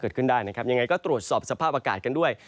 เกิดขึ้นได้นะครับยังไงก็ตรวจสอบสภาพอากาศกันด้วย